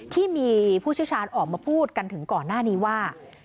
ที่มีผู้เชี่ยวชาญออกมาพูดกันถึงก่อนหน้านี้ว่า